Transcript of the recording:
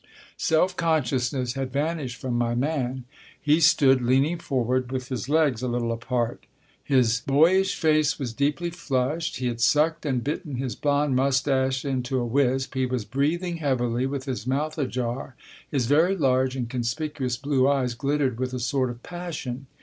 Self consciousness had vanished from my man. He stood, leaning forward with his legs a little apart. His boyish face was deeply flushed ; he had sucked and bitten his blond moustache into a wisp; he was breathing heavily, with his mouth ajar ; his very large and conspicuous blue eyes glittered with a sort of passion.